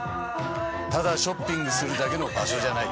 ただショッピングするだけの場所じゃない。